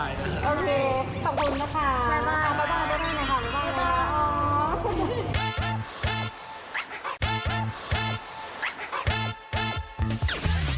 บ๊ายบายบ๊ายบาย